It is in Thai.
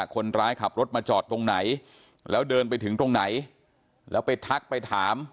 คนร้ายขับรถมาจอดตรงไหนแล้วเดินไปถึงตรงไหนแล้วไปทักไปถาม